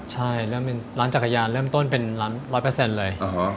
ใช่ร้านจักรยานเริ่มต้นเป็นร้าน๑๐๐เลย